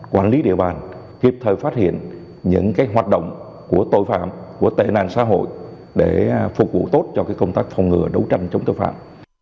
quản lý địa bàn kịp thời phát hiện những hoạt động của tội phạm của tệ nạn xã hội để phục vụ tốt cho công tác phòng ngừa đấu tranh chống tội phạm